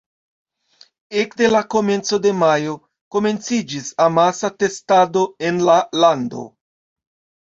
Ekde la komenco de majo komenciĝis amasa testado en la lando.